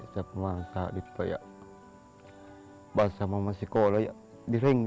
sepulah sadit payah bahasa mama sekolah ya di ring ini